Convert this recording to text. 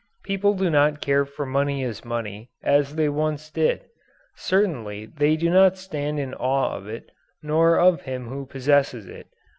People do not care for money as money, as they once did. Certainly they do not stand in awe of it, nor of him who possesses it.